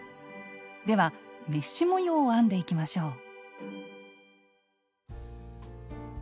ではメッシュ模様を編んでいきましょう。